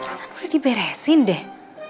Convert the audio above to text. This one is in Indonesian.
rasan boleh diberesin deh